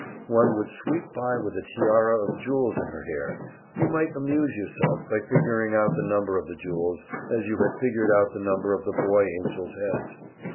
One would sweep by with a tiara of jewels in her hair; you might amuse yourself by figuring out the number of the jewels, as you had figured out the number of the boy angels' heads.